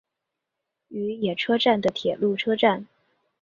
与野车站的铁路车站。